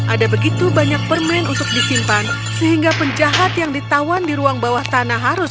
ada begitu banyak permen untuk disimpan sehingga penjahat yang ditawan di ruang bawah tanah harus